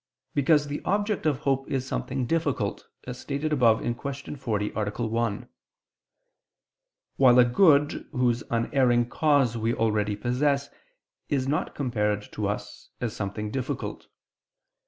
Because the object of hope is something difficult, as stated above (Q. 40, A. 1): while a good whose unerring cause we already possess, is not compared to us as something difficult.